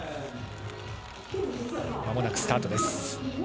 まもなくスタートです。